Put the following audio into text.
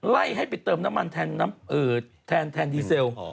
ให้ไปเติมน้ำมันแทนดีเซล